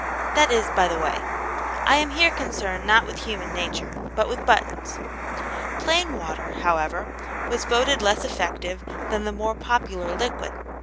That is by the way. I am here concerned not with human nature, but with buttons.) Plain water, however, was voted less effective than the more popular liquid.